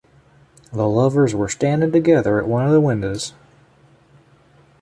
The lovers were standing together at one of the windows.